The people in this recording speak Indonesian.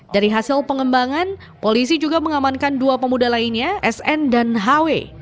dari hasil pengembangan polisi juga mengamankan dua pemuda lainnya sn dan hw